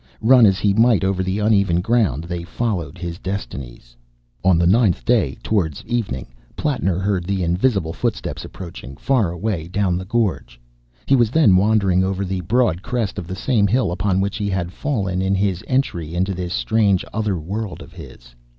Run as he might over the uneven ground, they followed his destinies. On the ninth day, towards evening, Plattner heard the invisible footsteps approaching, far away down the gorge. He was then wandering over the broad crest of the same hill upon which he had fallen in his entry into this strange Other World of his.